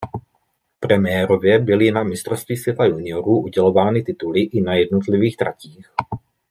Premiérově byly na mistrovství světa juniorů udělovány tituly i na jednotlivých tratích.